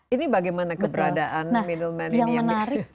ini bagaimana keberadaan middleman ini yang